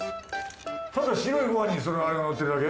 ただ白いごはんにそれあれがのってるだけ？